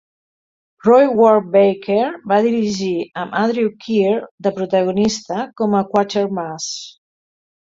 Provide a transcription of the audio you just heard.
Roy Ward Baker va dirigir, amb Andrew Keir de protagonista com a Quatermass.